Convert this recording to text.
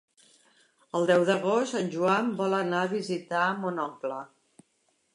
El deu d'agost en Joan vol anar a visitar mon oncle.